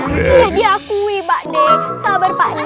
sudah diakui pak d sabar pak